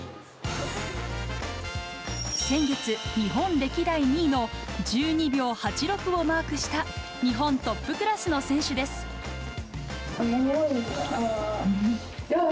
先月、日本歴代２位の１２秒８６をマークした日本トップクラスの選手で眠いよー。